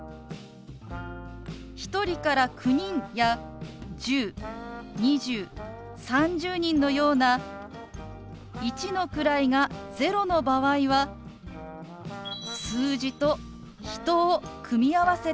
１人から９人や１０２０３０人のような一の位が０の場合は「数字」と「人」を組み合わせて表します。